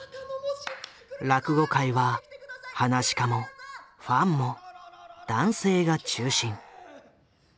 落語界は噺家もファンも男性が中心。